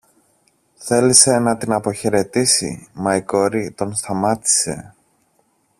Θέλησε να την αποχαιρετήσει, μα η κόρη τον σταμάτησε.